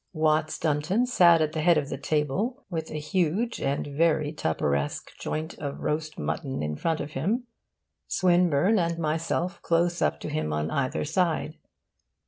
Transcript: Watts Dunton sat at the head of the table, with a huge and very Tupperesque joint of roast mutton in front of him, Swinburne and myself close up to him on either side.